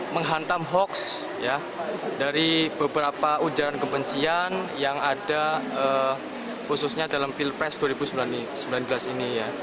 menghantam hoax dari beberapa ujaran kebencian yang ada khususnya dalam pilpres dua ribu sembilan belas ini